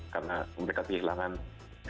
karena mereka kehilangan fitur utama dalam hidup